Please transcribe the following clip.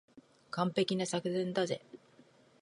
完璧な作戦だぜ。